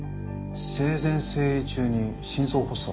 「生前整理中に心臓発作。